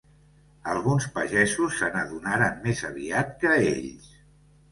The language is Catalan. Alguns pagesos se n'adonaren més aviat que ells.